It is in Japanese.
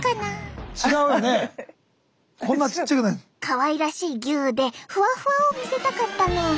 かわいらしいギュッでふわふわを見せたかったの。